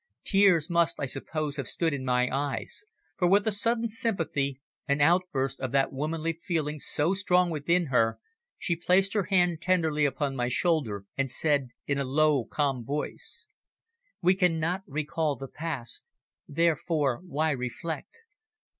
Tears must, I suppose, have stood in my eyes, for with a sudden sympathy, an outburst of that womanly feeling so strong within her, she placed her hand tenderly upon my shoulder and said in a low, calm voice "We cannot recall the past, therefore why reflect?